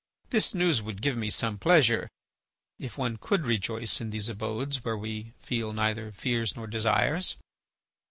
This news would give me some pleasure if one could rejoice in these abodes where we feel neither fears nor desires."